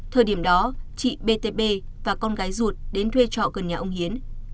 thời điểm đó chị btb và con gái ruột đến thuê trọ gần nhà ông hiến